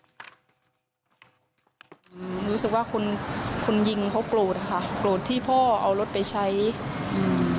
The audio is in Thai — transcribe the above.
อืมรู้สึกว่าคนคนยิงเขากลดค่ะกลดที่พ่อเอารถไปใช้อืม